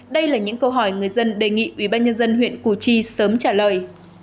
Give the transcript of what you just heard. đây là những câu hỏi người dân đề nghị ubnd huyện củ chi sớm trả lời